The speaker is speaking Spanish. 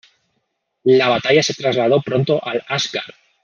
La batalla se trasladó pronto al Asgard.